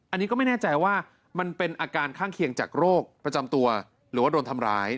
อันนี้ก็ไม่แน่ใจว่ามันเป็นอาการข้างเคียงจากโรคประจำตัวหรือว่าโดนทำร้าย